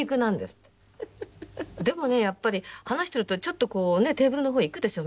でもねやっぱり話してるとちょっとこうねテーブルの方いくでしょ？